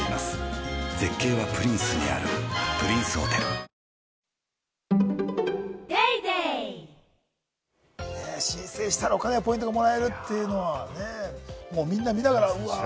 水層パックＵＶ「ビオレＵＶ」申請したらお金やポイントがもらえるっていうのはね、みんな見ながら、うわ！